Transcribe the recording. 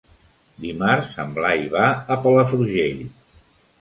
Dimarts en Blai va a Palafrugell.